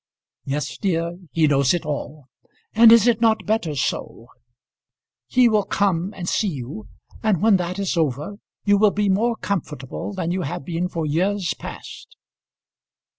"Yes, dear; he knows it all; and is it not better so? He will come and see you, and when that is over you will be more comfortable than you have been for years past."